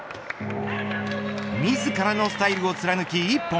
自らのスタイルを貫き一本。